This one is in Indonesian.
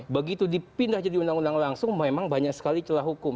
begitu dipindah jadi undang undang langsung memang banyak sekali celah hukum